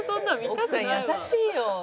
奥さん優しいよ。